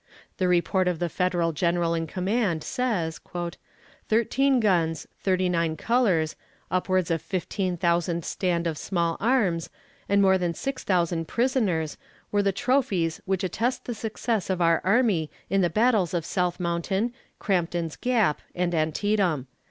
The report of the Federal general in command says: "Thirteen guns, thirty nine colors, upwards of fifteen thousand stand of small arms, and more than six thousand prisoners, were the trophies which attest the success of our army in the battles of South Mountain, Crampton's Gap, and Antietam.